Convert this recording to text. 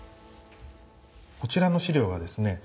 こちらの資料はですね